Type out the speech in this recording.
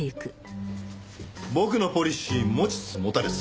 僕のポリシー持ちつ持たれつ。